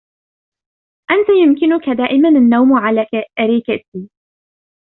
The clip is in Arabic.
أنتَ يمكنكَ دائماً النوم على أريكتي.